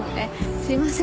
すいません。